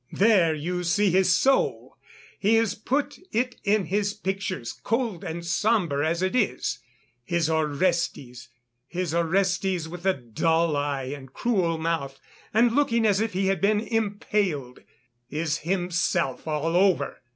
"There you see his soul! he has put it in his pictures, cold and sombre as it is. His Orestes, his Orestes with the dull eye and cruel mouth, and looking as if he had been impaled, is himself all over....